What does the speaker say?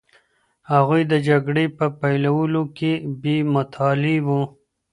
هغوی د جګړې په پیلولو کي بې مطالعې وو.